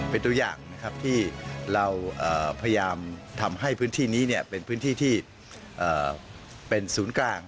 เป็นตัวอย่างนะครับที่เราพยายามทำให้พื้นที่นี้เป็นพื้นที่ที่เป็นศูนย์กลาง